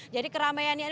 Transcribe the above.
jadi keramaiannya ini